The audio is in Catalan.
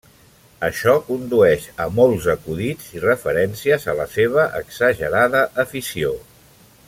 Això condueix a molts acudits i referències a la seva exagerada afició.